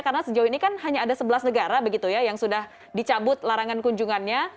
karena sejauh ini kan hanya ada sebelas negara begitu ya yang sudah dicabut larangan kunjungannya